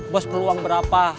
bos perlu uang berapa